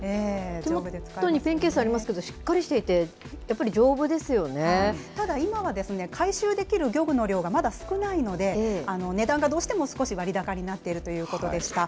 手元にペンケースありますけれども、しっかりしていて、やっただ、今は回収できる漁具の量がまだ少ないので、値段がどうしても少し割高になっているということでした。